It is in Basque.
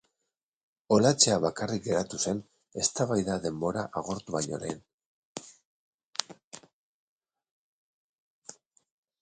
Olaetxea bakarrik geratu zen eztabaida denbora agortu baino lehen.